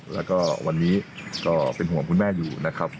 แล้วก็วันนี้ก็เป็นห่วงคุณแม่อยู่นะครับ